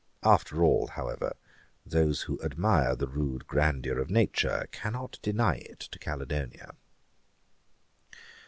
After all, however, those, who admire the rude grandeur of Nature, cannot deny it to Caledonia.